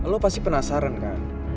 lu pasti penasaran kan